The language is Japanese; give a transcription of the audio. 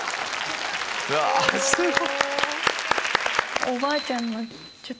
うわすごい！